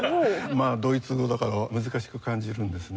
まあドイツ語だから難しく感じるんですね。